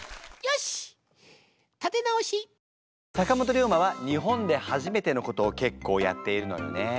坂本龍馬は日本で初めてのことを結構やっているのよね。